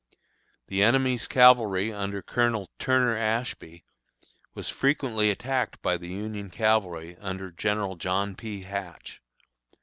The enemy's cavalry under Colonel Turner Ashby was frequently attacked by the Union Cavalry under General John P. Hatch.